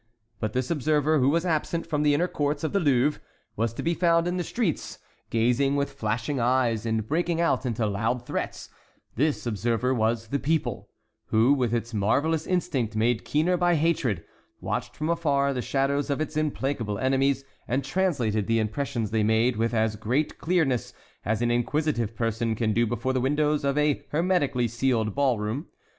But this observer who was absent from the inner courts of the Louvre was to be found in the streets gazing with flashing eyes and breaking out into loud threats; this observer was the people, who, with its marvellous instinct made keener by hatred, watched from afar the shadows of its implacable enemies and translated the impressions they made with as great clearness as an inquisitive person can do before the windows of a hermetically sealed ball room.